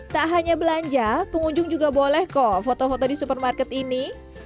tak hanya belanja pengunjung juga boleh kok foto foto di supermarket ini